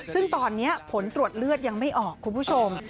ซึ่งตอนนี้ผลตรวจเลือดยังไม่ออกคุณผู้ชม